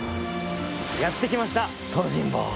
やってきました東尋坊。